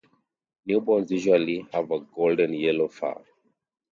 Newborns usually have a golden-yellow fur.